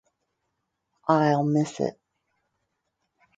I’ll miss it.